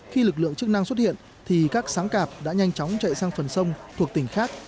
khi lực lượng chức năng xuất hiện thì các sáng cạp đã nhanh chóng chạy sang phần sông thuộc tỉnh khác